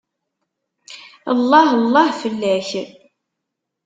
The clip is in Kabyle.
Llah llah fell-ak!